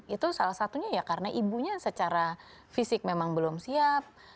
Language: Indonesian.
itu salah satunya ya karena ibunya secara fisik memang belum siap